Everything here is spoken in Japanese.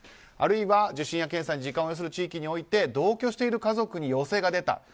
あるいは受診や検査に時間を要する地域において同居している家族に陽性が出た。